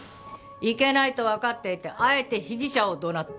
いけないとわかっていてあえて被疑者を怒鳴った。